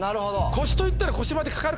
腰といったら腰までかかるかな。